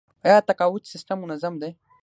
آیا تقاعد سیستم منظم دی؟